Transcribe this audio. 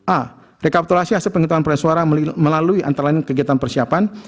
a rekapitulasi hasil penggunaan peresuaraan melalui antara lain kegiatan persiapan